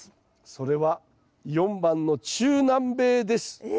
それは４番の中南米です。え！